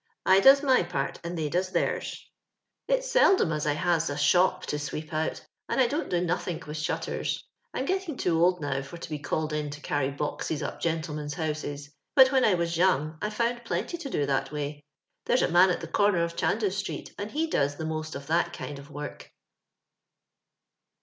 I does my part and they does theirs. It's seldom as I has a shop to sweep out, find I don't do nothink with shutters. I'm getting too old now for to he called in to carry boxes up gentlemen's houses, but when I was young I found plenty to do that way. There's a man at the comer of Chondos. «treet, and he does the most of that kind of work."